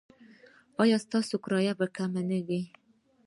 ایا ستاسو کرایه به کمه نه وي؟